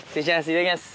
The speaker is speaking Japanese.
いただきます。